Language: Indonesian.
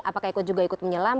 apakah juga ikut menyelam